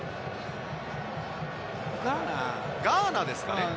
ガーナですかね。